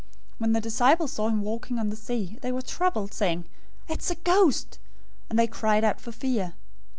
014:026 When the disciples saw him walking on the sea, they were troubled, saying, "It's a ghost!" and they cried out for fear.